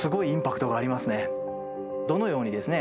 どのようにですね